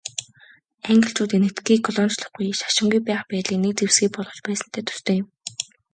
Англичууд Энэтхэгийг колоничлохгүй, шашингүй байх байдлыг нэг зэвсгээ болгож байсантай төстэй юм.